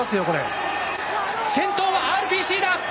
先頭はＲＰＣだ！